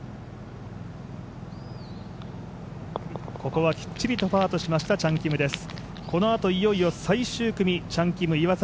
ここはきっちりとパーとしましたチャン・キムです。